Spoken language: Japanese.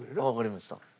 わかりました。